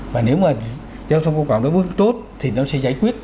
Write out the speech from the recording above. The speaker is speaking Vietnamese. và nếu mà giao thông công cộng nó bước tốt thì nó sẽ giải quyết